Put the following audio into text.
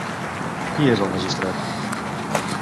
Qui és el magistrat?